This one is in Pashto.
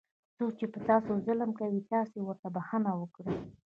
څوک چې په تاسو ظلم کوي تاسې ورته بښنه وکړئ.